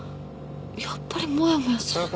やっぱりもやもやする。